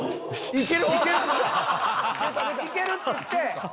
いけるって言って。